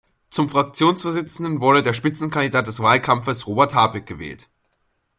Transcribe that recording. Zum Fraktionsvorsitzenden wurde der Spitzenkandidat des Wahlkampfes, Robert Habeck, gewählt.